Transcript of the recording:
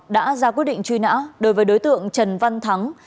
đã ra quyết định truy nã đối với đối tượng trần văn thắng